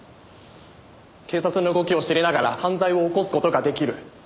警察の動きを知りながら犯罪を起こす事が出来る。